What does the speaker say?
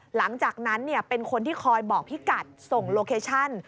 หลังจากนั้นเป็นคนที่คอยบอกพี่กัดส่งโลเคชั่น